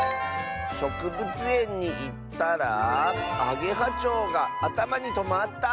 「しょくぶつえんにいったらあげはちょうがあたまにとまった！」。